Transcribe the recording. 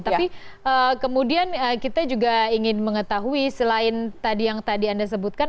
tapi kemudian kita juga ingin mengetahui selain tadi yang tadi anda sebutkan